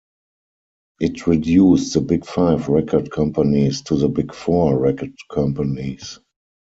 It reduced the Big Five record companies to the Big Four record companies.